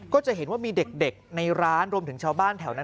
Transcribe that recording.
ก็จะเห็นว่ามีเด็กในร้านรวมถึงชาวบ้านแถวนั้น